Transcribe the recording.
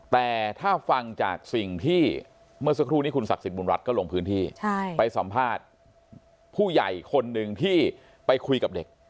แต่ถ้าฟังจากสิ่งที่เมื่อสักครู่นี้คุณศักดิ์สิทธิบุญรัฐก็ลงพื้นที่ไปสัมภาษณ์ผู้ใหญ่คนหนึ่งที่ไปคุยกับเด็ก